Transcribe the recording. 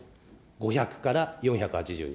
５００から４８０に。